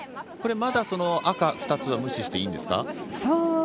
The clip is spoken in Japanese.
まだ赤２つは無視していいんですか？